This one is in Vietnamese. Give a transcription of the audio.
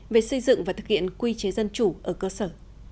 về xây dựng và thực hiện quy chế dân chủ ở cơ sở